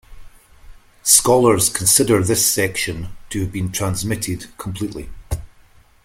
Scholars consider this section to have been transmitted completely.